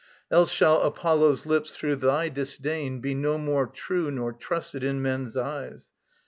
Else shall Apollo's lips, through thy disdain, Be no more true nor trusted in men's eyes.